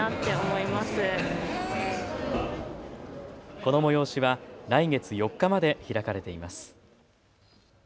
この催しは来月４日まで開かれています。